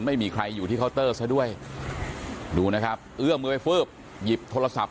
ไม่มีใครอยู่ที่เคาน์เตอร์ซะด้วยดูนะครับเอื้อมือฟืบหยิบโทรศัพท์